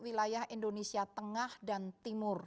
wilayah indonesia tengah dan timur